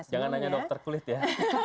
jangan hanya dokter kulit ya